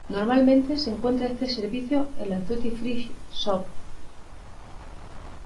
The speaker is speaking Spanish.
Normalmente se encuentra este servicio en las Duty Free Shop